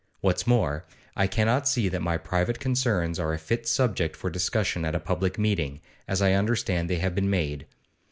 What's more, I cannot see that my private concerns are a fit subject for discussion at a public meeting, as I understand they have been made.